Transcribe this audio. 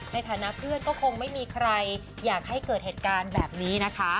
ในฐานะเพื่อนก็คงไม่มีใครอยากให้เกิดเหตุการณ์แบบนี้นะคะ